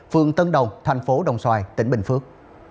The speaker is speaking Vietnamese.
phường tân đồng thành phố đồng xoài tỉnh bình phước